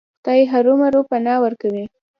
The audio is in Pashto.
خدای ارومرو پناه ورکوي.